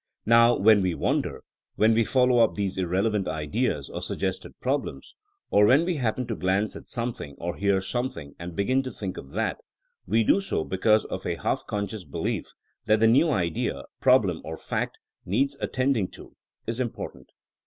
Now when we wander, when we follow up these irrelevant ideas or suggested problems, or when we happen to glance at something or hear something and be gin to think of that, we do so because of a half conscious belief that the new idea, problem or fact needs attending to, is important.